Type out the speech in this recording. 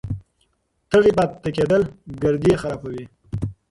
تږی پاتې کېدل ګردې خرابوي.